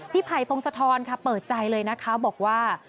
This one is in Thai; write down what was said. ไผ่พงศธรค่ะเปิดใจเลยนะคะบอกว่า